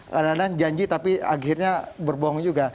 karena kan janji tapi akhirnya berbohong juga